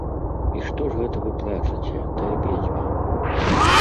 І што ж гэта вы плачаце, ды абедзве?